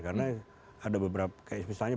karena ada beberapa kayak misalnya